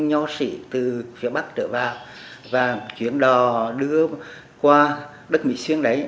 nho sĩ từ phía bắc trở vào và chuyến đò đưa qua đất mỹ xuyên đấy